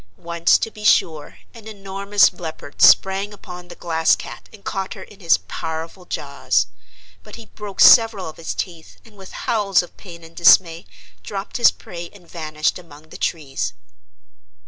Once, to be sure, an enormous leopard sprang upon the Glass Cat and caught her in his powerful jaws, but he broke several of his teeth and with howls of pain and dismay dropped his prey and vanished among the trees.